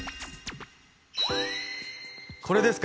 これですか？